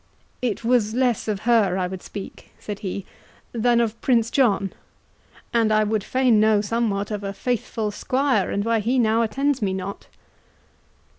"It was less of her I would speak," said he, "than of Prince John; and I would fain know somewhat of a faithful squire, and why he now attends me not?"